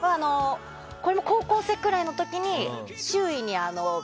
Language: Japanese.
高校生くらいの時に、周囲にＢ